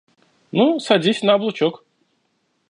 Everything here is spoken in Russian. Ну, садись на облучок».